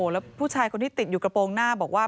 แล้วผู้ชายคนที่ติดอยู่กระโปรงหน้าบอกว่า